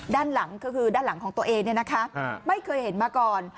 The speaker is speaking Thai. ด้านหลังก็คือด้านหลังของตัวเองไม่เคยเห็นมาก่อน